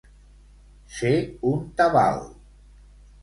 Ser un tabal.